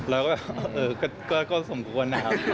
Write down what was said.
แล้วก็ว่าก็สมควรจ่ะครับ